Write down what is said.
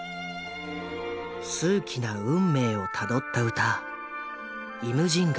数奇な運命をたどった歌「イムジン河」。